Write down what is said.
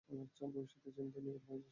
ভবিষ্যৎ চিন্তায় নীরব হয়ে যায় সে।